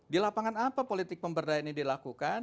di lapangan apa politik pemberdayaan ini dilakukan